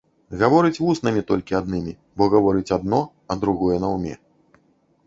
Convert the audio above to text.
Гаворыць вуснамі толькі аднымі, бо гаворыць адно, а другое наўме.